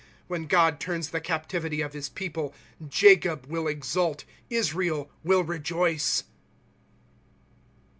When God turns the captivity of his people, Jacob will exult, Israel will rejoice.